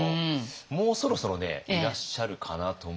もうそろそろねいらっしゃるかなと思うんですけどね。